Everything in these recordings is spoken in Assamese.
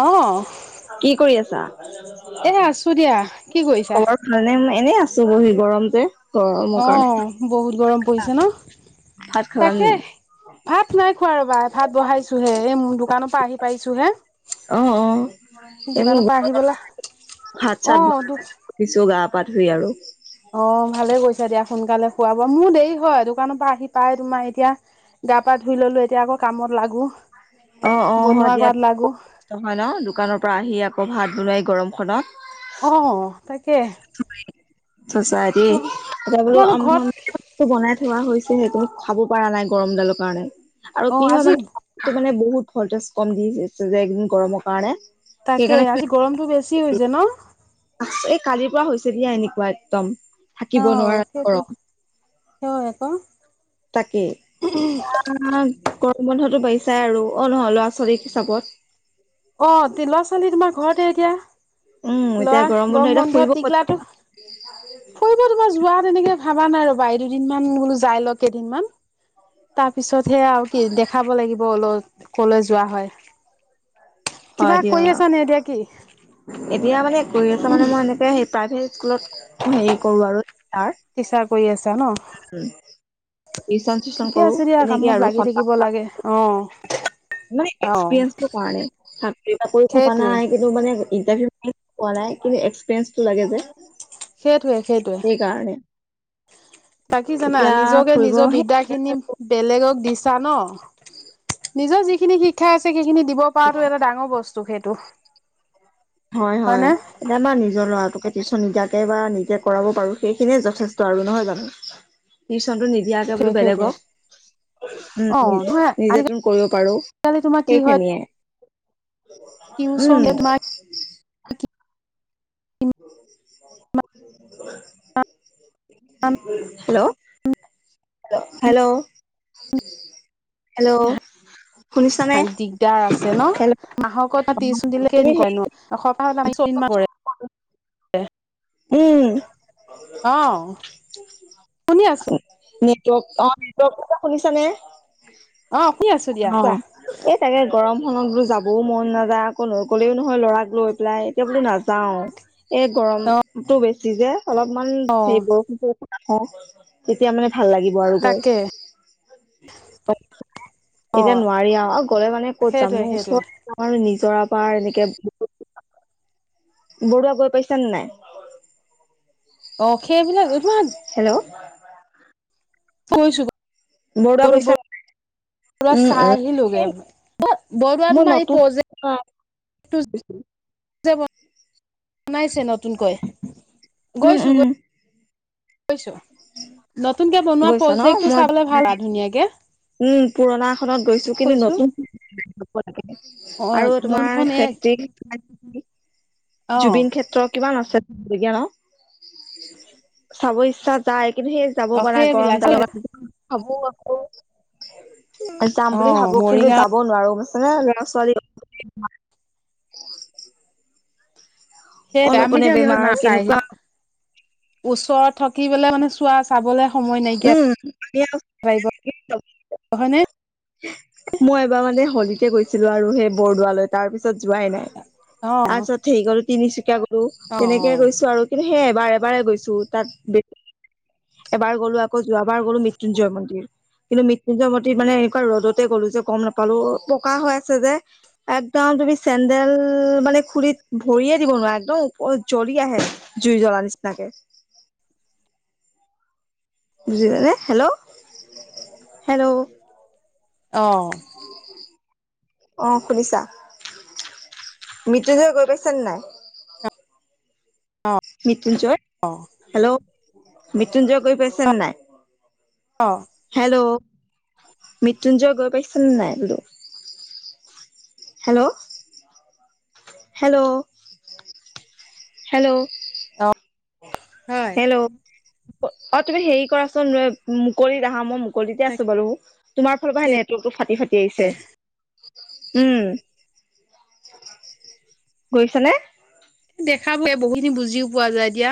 অ', কি কৰি আছা এ আছো দিয়া কি কৰিছা? খবৰ কাৰনে মই এনে আছো বহি গৰমতে অ বহুত গৰম পৰিছে ন ভাত খালা নে তাকে নাই? ভাত নাই খোৱা ৰবা ভাত বঢ়াইছোহে এই মো দো দোকানৰ পৰা আহি পাইছোঁহে অ অ তাকে ঘৰত পৰা আহি ভাত পেলাই চাত বনোৱা নাই অ', দু উঠিছো গা পা ধুই আৰু অ ভালে গৈছে এতিয়া সোনকালে খুৱাব মোৰ দেৰি হয় দোকানৰ পৰা আহি পাই তোমাৰ এতিয়া গা পা ধুই ললো এতিয়া আকৌ কামত লাগো। অ অ হয় বনোৱা দিয়া কৰাত লাগো। হয় ন দোকানৰ পৰা আহি আকৌ ভাত বনাই গৰম খনত। অ তাক [inaudible] সঁচা দেই তোমাৰ ত বলো তোমালোক আম ঘৰত বনাই থোৱা হৈছে সেইটো। খাব পৰা নাই গৰমডালৰ কাৰণে আৰু অ', কি হয় আজি মানে মানে বহুত ফলটেজ কম দিছে যে এদিন গৰমৰ কাৰণে। তাকে সেইকাৰণে আজি গৰমতটো বেছি হৈছে ন? এই কালিৰ পৰা হৈছে দিয়া এনেকুৱা একদম থাকিব অ', নোৱাৰা সেইটো গৰম হয় আক। তাকেই, [unintelligible] বন্ধতো বাঢ়িছাই আৰু অ নহয় ল'ৰা ছোৱালীক হিচাপত। অ তি ল'ৰা ছোৱালী তোমাৰ ঘৰতে উম এতিয়া এতিয়া লৰা গৰম গম এতিয়া বন্ধ ফুৰিব ক'ত টতিঘলাটো যাবা ফুৰিব তোমাৰ যোৱা তেনেকে ভাবা নাই আৰু বাই দুদিনমান বোলো যাই লও কেইদিনমান তাৰ পিছত সে আৰু কি দেখাব লাগিব অল কলৈ যোৱা হয়। কিবা হয় দিয় কৰি আছা নে এতিয়া কি এতিয়া মানে কৰি আছ মানে মই এনেকে সেই প্ৰায় স্কুলত হেৰি কৰোঁ আৰু টিচাৰ। জ ন [unintelligible] ৰিচন চিচন ঠিকে কৰো আছে দিয়া তেনেকে কামত আৰু লাগি স থাকিব লাগে [unintelligible] অ অ মানে এক্সপ্ৰিইঞ্চটো হোৱা নাই, চাকৰি বাকৰি ভবা সেইটোৱে নাই কিন্তু মানে ইণ্টাৰভিউ ৱা নাই কিন্তু এক্সপিৰিয়েঞ্চটো লাগে যে। সেইটোৱে সেইটোৱে। সেইকাৰণে তাকি জানা এতিয়া নিজকে ফুৰিব নিজৰ বিদ্যা খিনি সেই বেলেগক দিছা ন। [inaudible] নিজৰ যিখিনি শিক্ষাই আছে সেইখিনি দিব পৰাটো এটা ডাঙৰ বস্তু সেইটো। হয় হয় হয়নে এতিয়া আমাৰ নিজৰ ল'ৰাটোকে টিউচন নিদিয়া। এবা নিজে কৰাব পাৰো সেইখিনিয়ে যথেষ্ট আৰু নহয় জানো। নটো নিদিয়াকে সেইটোৱে বোলো সেইটোৱে বেলেগক। উম অ উ নহয় আজিকালি নিজেটোন কৰিব পাৰো সেইখিনিয়ে। তিওচন উম এ তোমাক [inaudible] হেল্ল'। Hello hello. শুনিছানে দিগদাৰ আছে ন হেল্ল' মাহকত তিছ দিলে তুমি কেনেকুৱ হেৰি নো এসপাহত চল। কিমান পৰে। উম আহ শুনি আছো। টক অ ক শুনিছা নে? অ শুনি আছো দিয়া অ কোৱা এই তাকে গৰম। খনত বো যাবও মন নাযায় আকৌ ন কলেও নহয় লৰাক লৈ পেলাই এতিয়া বোলো নাযাও। এই অ গৰমতটো বেছি যে অলপমান অ হে বৰষুণখওঁ তেতিয়া মানে। ভাল লাগিব আৰু গৈ। তাকে অ এতিয়া নোৱাৰি আৰু গ'লে মানে ক'ত যাম সেইটোৱে ন ওচৰ সেইটোৱে আৰু। ৰা পাৰ এনেকে বৰদুৱা গৈ পাইছে নে নাই? অ সেইবিলাক তোমাৰ হেল্ল'। কয়ছো। বৰদুৱা গৈছা নাই? বৰদুৱা চাই আহিলোগে। বৰদৱা মোৰ তোমাৰ এই নতুন প্ৰজেক্ট [unintelligible] বানাইছে নতুনকৈ উম গৈছো উম গৈ। গৈছো নতুনকে বনোৱা গৈছা ন প্ৰজেক্ট টো চাবলে মই ভাল আ ধুনীয়াকে। উম, পুৰণা খনত গৈছো কিন্তু কৈছো নতুন অ [unintelligible] আৰু তোমাৰ নতুনখন এ [unintelligible] অ জুবিন ক্ষেত্ৰ কিমান আছে [unintelligible] চাব ইচ্ছা যায়। কিন্তু সেই যাব অ পাৰা গৰম সেইবিলাক [unintelligible] ভাবো আকৌ। যাম বুলি অ', ভাবো কিন্তু মৰিগাঁৱত যাব নোৱাৰো। নে লৰা -ছোৱালী [unintelligible] হেয়েটো আমি অলপনে যে ইহত বেমাৰ না চাই কেনেকুৱা ওচৰত থকিব লে মানে চোৱা চাবলৈ সময় নাইকিয়া উম। এতিয়া [unintelligible] হয়নে। মই এবাৰ মানে হলীতে গৈছিলো আৰু সেই বৰদোৱা লৈ তাৰ পিছত ছত যোৱাই নাই তাৰ অ', পিছত হেৰি গলো তিনিচুকীয়া গলো অ', তেনেকে অ', গৈছো আৰু কিন্তু সেয়াই বাৰে -বাৰে গৈছো তাত বে এবাৰ গ'লো আকৌ যোৱাবাৰ গ'লো মৃত্যুঞ্জয় মন্দিৰ কিন্তু মৃত্যুঞ্জয় মন্দিৰ মানে এনেকুৱা ৰ'দত গলো যে গম নাপালো পকা হৈ আছে যে একদম তুমি চেন্দেল মানে খুলি ভৰিয়ে দিব নোৱাৰা একদম জ্বলি আহে জুই জ্বলা নিচিনাকে। [inaudible] [unintelligible] Hello -hello. অ', অহ, শুনিছা? মৃত্যুজয় গৈ পাইছা নে নাই? মৃত্যুঞ্জয় অ', হেল্ল', মৃত্যুঞ্জয় গৈ পাইছেনে নাই? অ', হেল্ল' মৃত্যুঞ্জয় গৈ পাইছা নে নাই বোলো? হেল্ল', হেল্ল', হেল্ল'- অ'। হয় হেল্ল'। অহ, তুমি হেৰি কৰাচোন মুকলিত আহা মই মুকলিতে আছো তাকে বাৰু। তোমাৰ ফালৰ পৰাহে নেটৱৰ্কটো ফাটি- ফাটি আহিছে। উম, [inaudible] গৈছনে? দেখাবহে বহুখিনি বুজিও পোৱা যায় এতিয়া।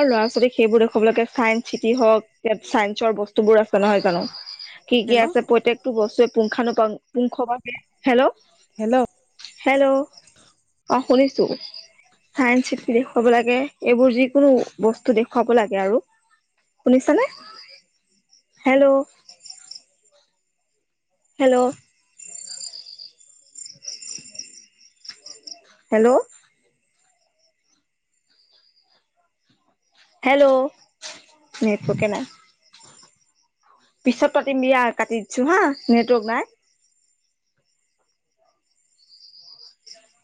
আৰু ল'ৰা -ছোৱালীক সেইবোৰ দেখুৱাব লাগে চাইন্স চিটি হওক চাইন্সৰ বস্তু বোৰ আছে নহয় জানো কি -কি হেল্ল' আছে প্ৰতেয়েকটো বস্তুৱে পুংখানোপুংখ বাবে, হেল্ল', হেল্ল', হেল্ল', অহ, শুনিছো চাইন্স চিটি দেখুৱাব লাগে। এইবোৰ যিকোনো বস্তু দেখুৱাব লাগে আৰু শুনিছানে? হেল্ল', হেল্ল', হেল্ল', হেল্ল', নেটৱকে নাই। পিছত পাতিম দিয়া কাটি দিছো হা, নেটৱৰ্ক নাই।